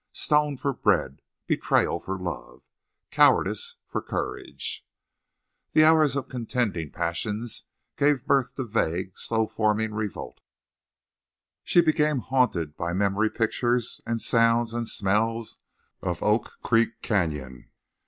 Stone for bread! Betrayal for love! Cowardice for courage! The hours of contending passions gave birth to vague, slow forming revolt. She became haunted by memory pictures and sounds and smells of Oak Creek Canyon.